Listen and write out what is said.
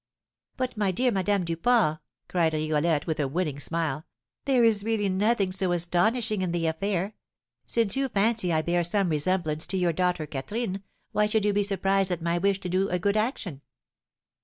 "But, my dear Madame Duport," cried Rigolette, with a winning smile, "there is really nothing so astonishing in the affair. Since you fancy I bear some resemblance to your daughter Catherine, why should you be surprised at my wish to do a good action?"